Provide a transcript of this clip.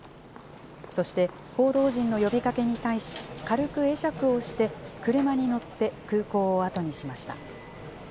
そして報道陣の呼びかけに対し、軽く会釈をして、車に乗って空港を後にしました。